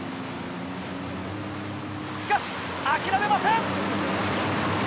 しかし諦めません。